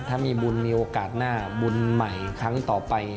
ถ้ามีบุญมีโอกาสหน้าบุญใหม่ครั้งต่อไป